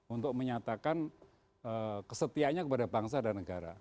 untuk menyatakan kesetianya kepada bangsa dan negara